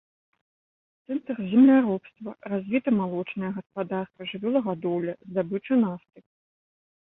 Цэнтр земляробства, развіта малочная гаспадарка, жывёлагадоўля, здабыча нафты.